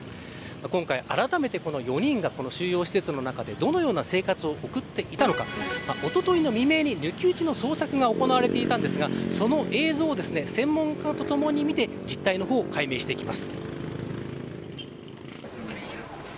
今回あらためて４人が収容施設の中でどのような生活を送っていたのかおとといの未明に抜き打ちの捜索が行われていたんですがその映像を専門家と共に見て実態の方を解明していきます。